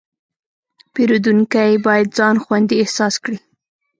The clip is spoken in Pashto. پیرودونکی باید ځان خوندي احساس کړي.